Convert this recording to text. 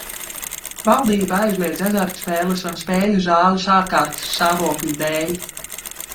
Valdība aizliedz azartspēles un spēļu zāles ārkārtas stāvokļa dēļ.